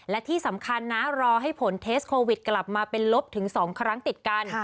และที่สำคัญนะรอให้ผลเทสโควิดกลับมาเป็นลบถึง๒ครั้งติดกัน